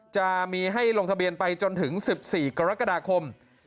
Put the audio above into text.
จะมีให้ลงทะเบียนไปจนถึง๑๔กรกฎาคม